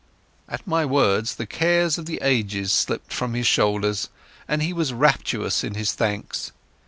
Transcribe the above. At my words the cares of the ages slipped from his shoulders, and he was rapturous in his thanks.